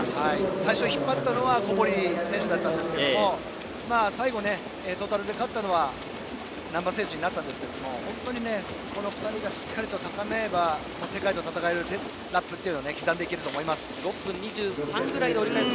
最初、引っ張ったのは小堀選手だったんですけれども最後、トータルで勝ったのは難波選手になったんですが本当にこの２人がしっかりと高めあえば世界と戦えるラップを刻んでいけると思います。